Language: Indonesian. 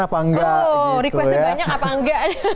apa enggak requestnya banyak apa enggak